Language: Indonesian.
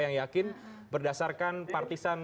yang yakin berdasarkan partisan